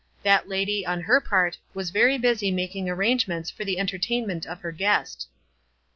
That lady, on her part, was very busy making arrangements for the enter tainment of her guest.